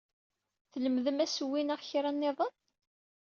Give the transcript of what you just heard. Tlemdem asewwi neɣ kra nniḍen?